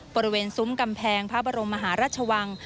ซุ้มกำแพงพระบรมมหาราชวัง